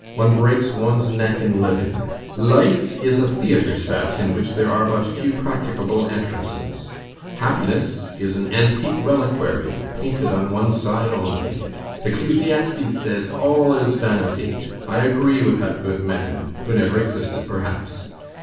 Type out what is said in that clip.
One breaks one's neck in living. Life is a theatre set in which there are but few practicable entrances. Happiness is an antique reliquary painted on one side only. Ecclesiastes says: 'All is vanity.' I agree with that good man, who never existed, perhaps.